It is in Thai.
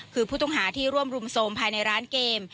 คือผู้ต้องหาที่ร่วมรุมโทรมภายในร้านเกม